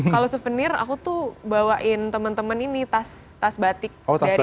kalau souvenir aku tuh bawain teman teman ini tas batik dari garut